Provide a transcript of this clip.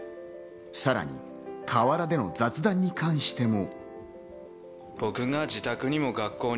さらに河原での雑談に関しても。